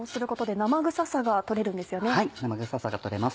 生臭さが取れます